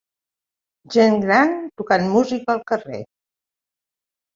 Gent gran tocant música al carrer.